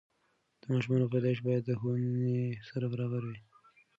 د ماشومانو پیدایش باید د ښوونې سره برابره وي.